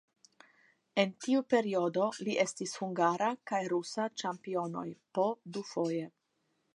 En tiu periodo li estis hungara kaj rusa ĉampionoj po dufoje.